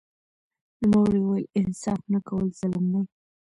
نوموړي وویل انصاف نه کول ظلم دی